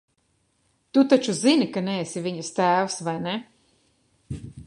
Tu taču zini, ka neesi viņas tēvs, vai ne?